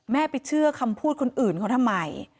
ไปเชื่อคำพูดคนอื่นเขาทำไม